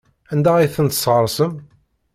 Anda ay ten-tesɣesrem?